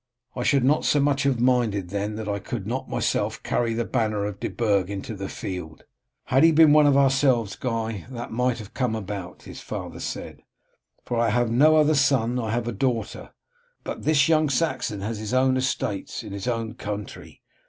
I should not so much have minded then that I could not myself carry the banner of De Burg into the field." "Had he been one of ourselves, Guy, that might have come about," his father said, "for if I have no other son I have a daughter. But this young Saxon has his own estates in his own country.